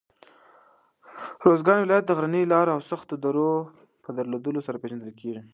اروزګان ولایت د غرنیو لاره او سختو درو په درلودلو سره پېژندل کېږي.